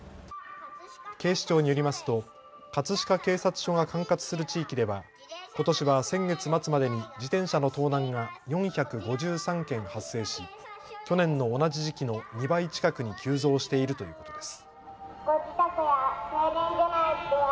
警視庁によりますと葛飾警察署が管轄する地域ではことしは先月末までに自転車の盗難が４５３件、発生し去年の同じ時期の２倍近くに急増しているということです。